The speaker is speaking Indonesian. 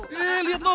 eh liat dong